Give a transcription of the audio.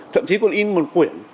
thậm chí còn in một quyển